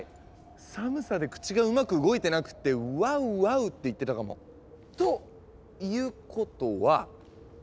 寒さで口がうまく動いてなくって「ワウワウ」って言ってたかも。ということは。